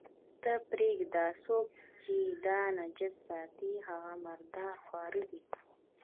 ته پرېږده، څوک چې دا نجس ساتي، هغه مرداره خواره دي.